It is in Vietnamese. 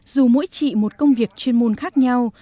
dù mỗi chị một công việc chuyên môn khác nhau